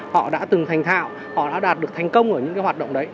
họ đã từng thành thạo họ đã đạt được thành công ở những cái hoạt động đấy